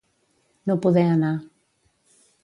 No poder anar.